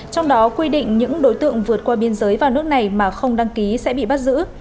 trong đó quy định những đối tượng vượt qua biên giới vào nước này mà không đăng ký sẽ bị bắt giữ